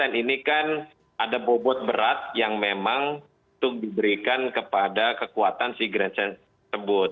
ini kan ada bobot berat yang memang untuk diberikan kepada kekuatan si grandstand tersebut